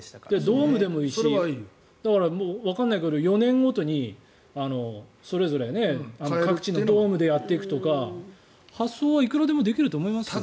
ドームでもいいしわからないから４年ごとにそれぞれ各地のドームでやっていくとか発想はいくらでもできると思いますよ。